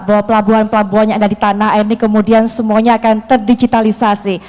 bahwa pelabuhan pelabuhan yang ada di tanah air ini kemudian semuanya akan terdigitalisasi